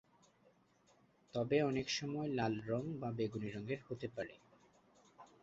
তবে অনেকসময় লাল রঙ বা বেগুনী রঙের হতে পারে।